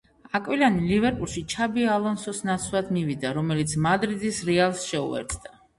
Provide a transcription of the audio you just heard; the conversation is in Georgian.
აკვილანი ლივერპულში ჩაბი ალონსოს ნაცვლად მივიდა, რომელიც მადრიდის რეალს შეუერთდა.